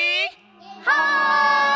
はい！